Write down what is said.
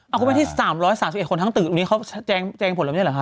เอาไปที่๓๓๑คนทั้งตื่นตรงนี้เขาแจงผลอะไรไม่ได้หรือคะ